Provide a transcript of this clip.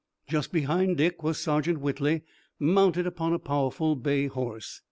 Just behind Dick was Sergeant Whitley, mounted upon a powerful bay horse.